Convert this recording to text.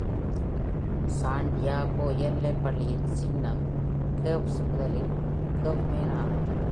San Diego உயர்நிலைப் பள்ளியின் சின்னம் கேவர்ஸ் - முதலில் கேவ்மென் ஆகும்.